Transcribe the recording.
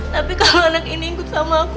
tapi kalau anak ini ikut sama aku